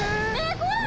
怖い！